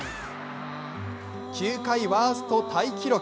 球界ワーストタイ記録。